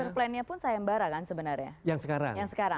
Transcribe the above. master plan nya pun sayang bara kan sebenarnya